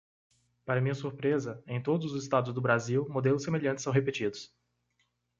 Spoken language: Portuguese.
Para minha surpresa, em todos os estados do Brasil, modelos semelhantes são repetidos.